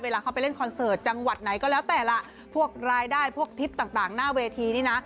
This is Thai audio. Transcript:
เข้าไปเล่นคอนเสิร์ตจังหวัดไหนก็แล้วแต่ล่ะพวกรายได้พวกทริปต่างหน้าเวทีนี่นะ